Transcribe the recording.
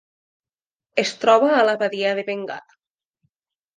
Es troba a la Badia de Bengala.